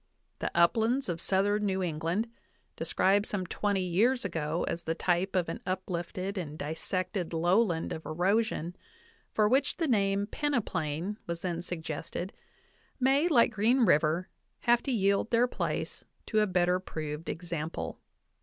The uplands of southern New England, described some twenty years ago as the type of an uplifted and dissected lowland of erosion, for which the name peneplain was then suggested, may, like Green River, have to yield their place to a better proved example.